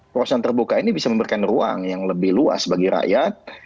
proses yang terbuka ini bisa memberikan ruang yang lebih luas bagi rakyat